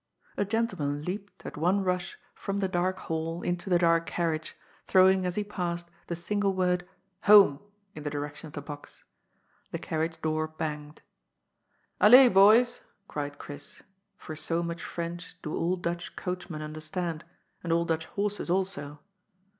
A gentleman leaped, at one rush, from the dark hall 8 GOD'S FOOL. into the dark carriage, throwing, as he passed, the single word " Home !" in the direction of the box. The carriage door banged. " AUez, boys !" cried Chris, for so much French do all Dutch coachman understand, and all Dutch horses also.